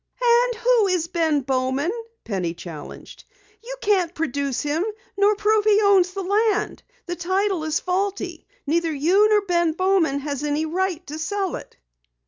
"And who is Ben Bowman?" Penny challenged. "You can't produce him, nor prove that he owns the land. The title is faulty. Neither you nor Ben Bowman has any right to sell it!"